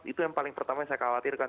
itu yang paling pertama yang saya khawatirkan